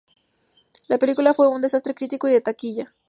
La película fue un desastre crítico y de taquilla.